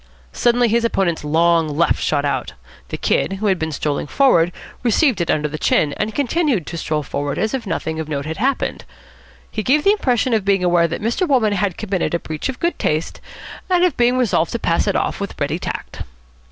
Suddenly his opponent's long left shot out. The Kid, who had been strolling forward, received it under the chin, and continued to stroll forward as if nothing of note had happened. He gave the impression of being aware that Mr. Wolmann had committed a breach of good taste and of being resolved to pass it off with ready tact.